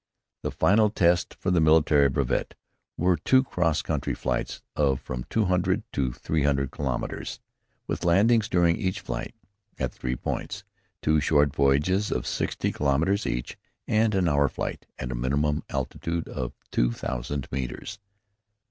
The final tests for the military brevet were two cross country flights of from two hundred to three hundred kilometres, with landings during each flight, at three points, two short voyages of sixty kilometres each, and an hour flight at a minimum altitude of two thousand metres.